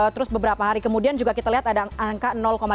satu terus beberapa hari kemudian juga kita lihat ada angka delapan puluh sembilan